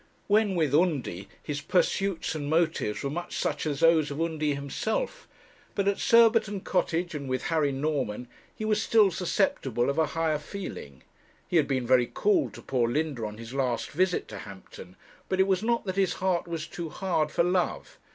When with Undy his pursuits and motives were much such as those of Undy himself; but at Surbiton Cottage, and with Harry Norman, he was still susceptible of a higher feeling. He had been very cool to poor Linda on his last visit to Hampton; but it was not that his heart was too hard for love.